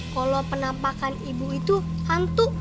kalau penampakan ibu itu hantu